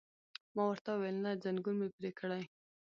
ما ورته وویل: نه، ځنګون مې پرې کړئ.